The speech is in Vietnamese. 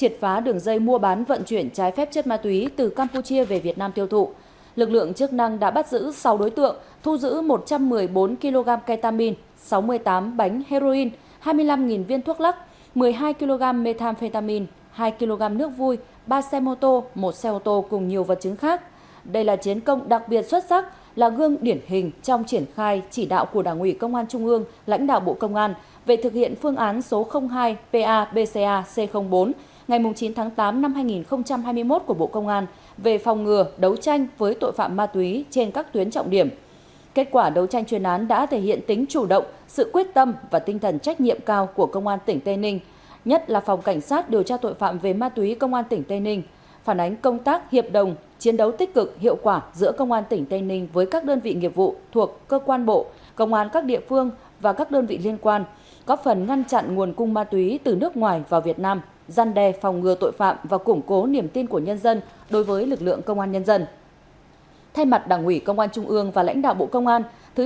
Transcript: triệt phá thành công đường dây mua bán trái phép chất ma túy từ campuchia về việt nam thiêu thụ